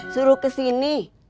suruh ke sini